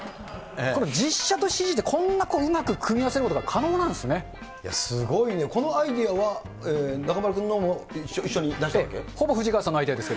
この実写とＣＧってこんなうまく組み合わせることが可能なんすごいね、このアイデアは、中丸君も一緒に出したわけ？